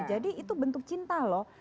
jadi itu bentuk cinta loh